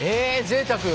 ぜいたく。